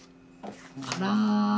あら！